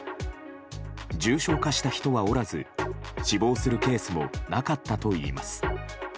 重症化した人はおらず死亡するケースもなかったといいます。